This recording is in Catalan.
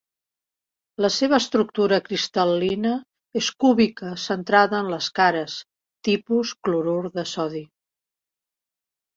La seva estructura cristal·lina és cúbica centrada en les cares, tipus clorur de sodi.